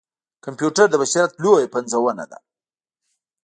کمپیوټر د بشريت لويه پنځونه ده.